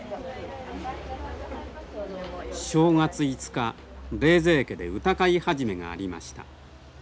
正月５日冷泉家で歌会始がありました。